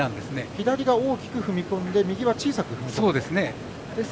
左が大きく踏み込んで右は小さく踏み込んでる。